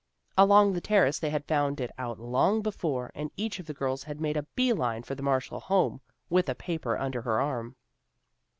Along the Terrace they had found it out long before and each of the girls had made a bee line for the Marshall home with a paper under her arm.